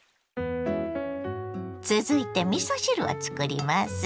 ⁉続いてみそ汁をつくります。